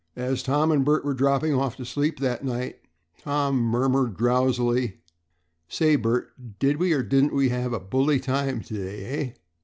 As Tom and Bert were dropping off to sleep that night, Tom murmured drowsily, "Say, Bert, did we or didn't we have a bully time to day, eh?"